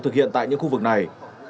thực hiện tại những khu vực này